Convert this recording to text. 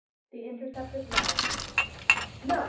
THE INTERCEPTED LETTER. "No!